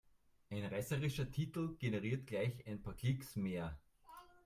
Ein reißerischer Titel generiert gleich ein paar Klicks mehr.